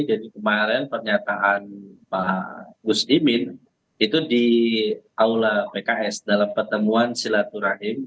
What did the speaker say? jadi kemarin pernyataan pak gus imin itu di aula pks dalam pertemuan silaturahim